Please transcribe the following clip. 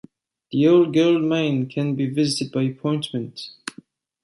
The old gold mine can be visited by appointment.